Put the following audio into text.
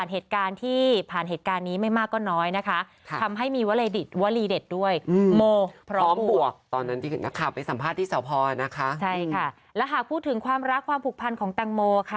และหากพูดถึงความรักความผูกพันของแตงโมค่ะ